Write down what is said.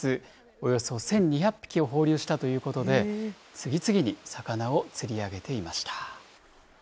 およそ１２００匹を放流したということで、次々に魚を釣り上げていました。